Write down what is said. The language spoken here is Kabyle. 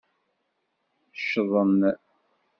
Ccḍen.